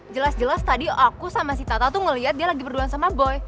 jelas jelas tadi aku sama si tata tuh ngeliat dia lagi berdua sama boy